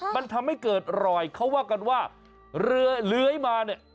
มันทำให้เกิดรอยเขาว่ากันว่าเรือเลื้อยมาเนี่ย